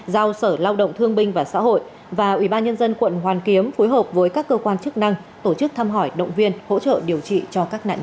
giao sở lao động thương binh và xã hội và ubnd quận hoàn kiếm phối hợp với các cơ quan chức năng tổ chức thăm hỏi động viên hỗ trợ điều trị cho các nạn nhân